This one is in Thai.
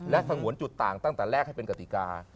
และสงวนจุดต่างตั้งแต่แรกให้เป็นกติกา